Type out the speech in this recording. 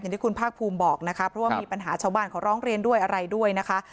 ที่คุณภาคภูมิบอกนะคะเพราะว่ามีปัญหาชาวบ้านเขาร้องเรียนด้วยอะไรด้วยนะคะ